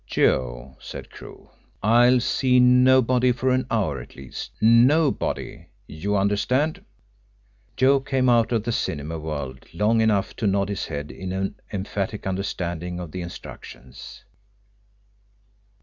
"Joe," said Crewe, "I'll see nobody for an hour at least nobody. You understand?" Joe came out of the cinema world long enough to nod his head in emphatic understanding of the instructions.